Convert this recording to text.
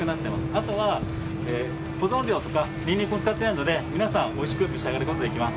あとは保存料とかにんにくを使ってないので皆さん、おいしく召し上がることができます。